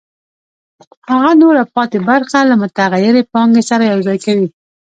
هغه نوره پاتې برخه له متغیرې پانګې سره یوځای کوي